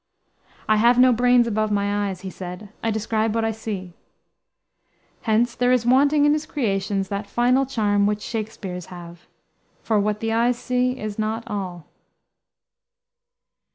"I have no brains above my eyes," he said; "I describe what I see." Hence there is wanting in his creations that final charm which Shakspere's have. For what the eyes see is not all.